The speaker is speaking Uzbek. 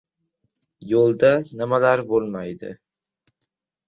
Yo‘lda nimalar bo‘lmaydi.